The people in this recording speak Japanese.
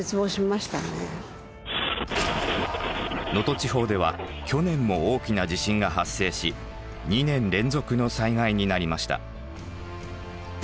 地方では去年も大きな地震が発生し２年連続の災害になりました。